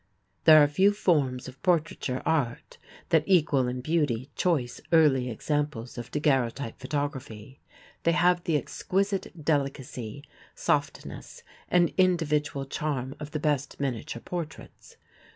There are few forms of portraiture art that equal in beauty choice early examples of daguerreotype photography. They have the exquisite delicacy, softness and individual charm of the best miniature portraits.